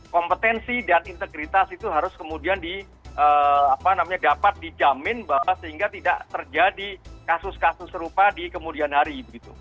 kompetensi dan integritas itu harus kemudian dapat dijamin bahwa sehingga tidak terjadi kasus kasus serupa di kemudian hari